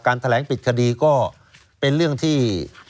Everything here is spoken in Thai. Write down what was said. แถลงปิดคดีก็เป็นเรื่องที่